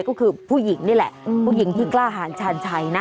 ก็คือผู้หญิงนี่แหละผู้หญิงที่กล้าหารชาญชัยนะ